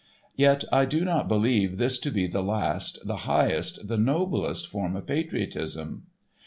Yet I do not believe this to be the last, the highest, the noblest form of patriotism.